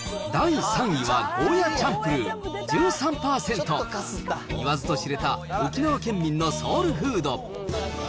みんなこれ食第３位はゴーヤーチャンプル１３％。言わずと知れた沖縄県民のソウルフード。